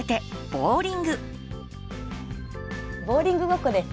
ボウリングごっこです。